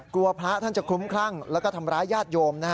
พระท่านจะคลุ้มคลั่งแล้วก็ทำร้ายญาติโยม